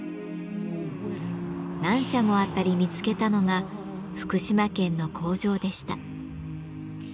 何社も当たり見つけたのが福島県の工場でした。